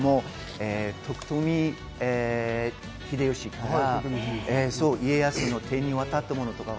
豊臣秀吉から家康の手に渡ったものとか。